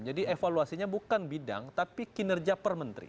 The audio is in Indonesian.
jadi evaluasinya bukan bidang tapi kinerja per menteri